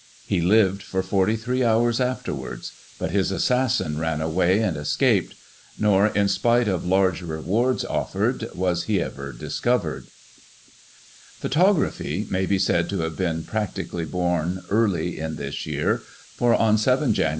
He lived for 43 hours afterwards — ^but his assassin ran away and escaped ; nor, in spite of large rewards offered, was he ever discovered Photography may be said to have been practically bom early in this year, for, on 7 Jan.